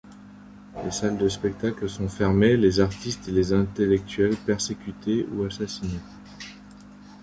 Les salles de spectacles sont fermées, les artistes et les intellectuels persécutés ou assassinés.